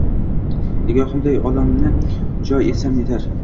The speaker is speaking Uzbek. Nigohimday olamni jo etsam netar